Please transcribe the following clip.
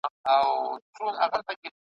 بعقوب حسن